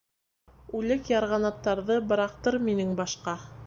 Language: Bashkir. Үлек ярғанаттарҙы быраҡтыр минең башҡа!